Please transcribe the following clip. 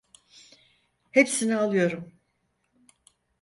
Hepsini alıyorum.